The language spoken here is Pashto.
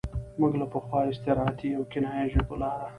موږ له پخوا استعارتي او کنايي ژبه لاره.